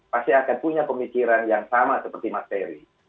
pasti akan punya pemikiran yang sama seperti mas ferry